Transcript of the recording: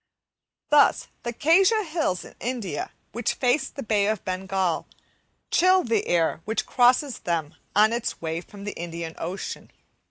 Thus the Khasia Hills in India which face the Bay of Bengal, chill the air which crosses them on its way from the Indian Ocean.